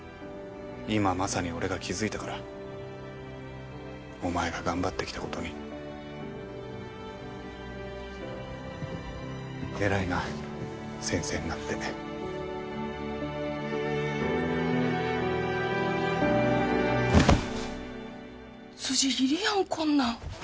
今まさに俺が気づいたからお前が頑張ってきたことにえらいな先生になって辻斬りやんこんなん